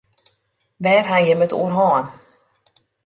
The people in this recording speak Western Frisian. Wêr ha jim it oer hân?